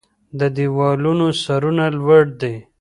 د دیوالونو سرونه لوړ دی